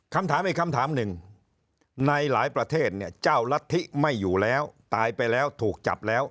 คำถามอีกคำถามหนึ่งในหลายประเทศเนี่ยเจ้ารัฐธิไม่อยู่แล้วตายไปแล้วถูกจับแล้ว